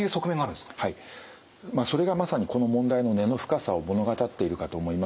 はいそれがまさにこの問題の根の深さを物語っているかと思います。